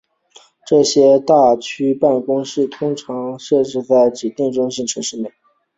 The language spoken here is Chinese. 这些大区办公室通常设在指定的中心城市内。